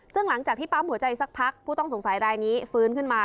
ซึ่งหลังจากที่ปั๊มหัวใจสักพักผู้ต้องสงสัยรายนี้ฟื้นขึ้นมา